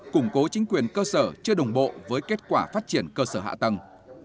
củng cố chính quyền cơ sở chưa đồng bộ với kết quả phát triển cơ sở hạ tầng